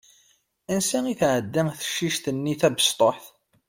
Ansa i tɛedda tecict-nni tabesṭuḥt?